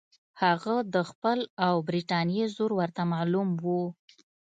هغه د خپل او برټانیې زور ورته معلوم وو.